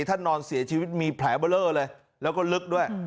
นอนเสียชีวิตมีแผลเบอร์เลอร์เลยแล้วก็ลึกด้วย